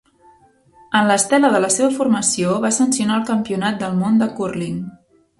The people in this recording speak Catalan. En l'estela de la seva formació, va sancionar el Campionat del món de Cúrling.